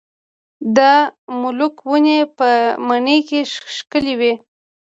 د املوک ونې په مني کې ښکلې وي.